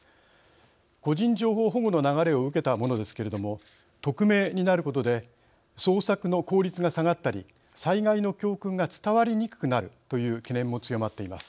個人情報保護の流れを受けたものですけれども匿名になることで捜索の効率が下がったり災害の教訓が伝わりにくくなるという懸念も強まっています。